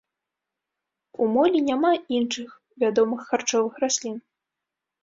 У молі няма іншых вядомых харчовых раслін.